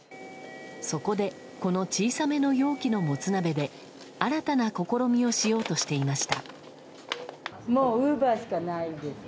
そこでこの小さめの容器のもつ鍋で新たな試みをしようとしていました。